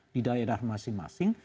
di daerah masing masing